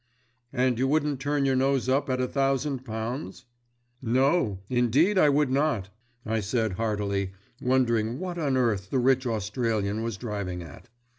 "And you wouldn't turn your nose up at a thousand pounds?" "No, indeed I would not," I said heartily, wondering what on earth the rich Australian was driving at.